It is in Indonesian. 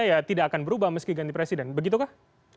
ya tidak akan berubah meski ganti presiden begitukah